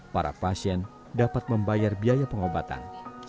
para pasien dapat membayar biaya pengobatan